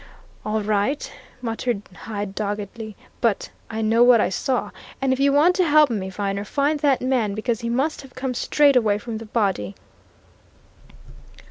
"All right!" muttered Hyde doggedly. "But I know what I saw. And if you want to help me, Viner, find that man because he must have come straight away from the body!"